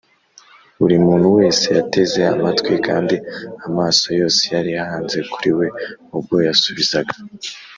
buri muntu wese yateze amatwi, kandi amaso yose yari ahanze kuri we ubwo yasubizaga